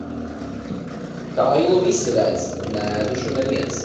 Kailu visi redz, neēdušu neviens.